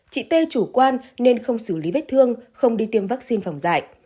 chị tê chủ quan nên không xử lý vết thương không đi tiêm vaccine phòng dạy